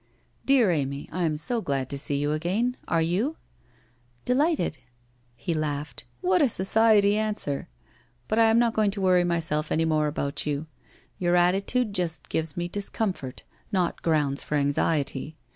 ' Dear Amy, I am so glad to see you again. Are you ?'' Delighted/ He laughed. ' What a society answer ! But I am not going to worry myself any more about you. Your atti tude just gives me discomfort, not grounds for anxiety.